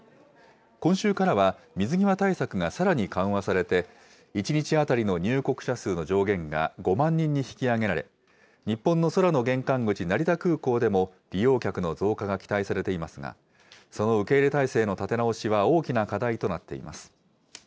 今週からは、水際対策がさらに緩和されて、１日当たりの入国者数の上限が５万人に引き上げられ、日本の空の玄関口、成田空港でも、利用客の増加が期待されていますが、その受け入れ体制の立て直しは大きな課題となっています。